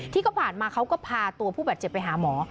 ที่ผ่านมาเขาก็พาตัวผู้บาดเจ็บไปหาหมอ